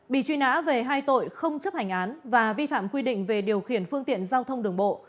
bị truy nã về hai tội không chấp hành án và vi phạm quy định về điều khiển phương tiện giao thông đường bộ